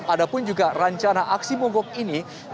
ada pun juga rencana aksi mogok ini